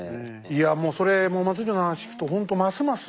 いやもうそれ松潤の話聞くとほんとますます